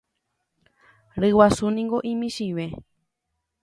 Ryguasúniko imichĩve.